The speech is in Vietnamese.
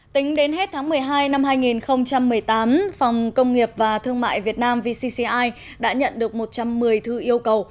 tính đến hết tháng một mươi hai năm hai nghìn một mươi tám phòng công nghiệp và thương mại việt nam vcci đã nhận được một trăm một mươi thư yêu cầu